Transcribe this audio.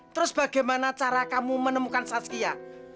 terus bagaimana cara kamu menemukan saskia